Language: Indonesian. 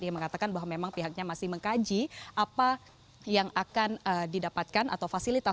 dia mengatakan bahwa memang pihaknya masih mengkaji apa yang akan didapatkan atau fasilitas